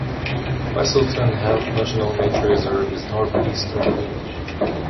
Westleton Heath National Nature Reserve is north east of the village.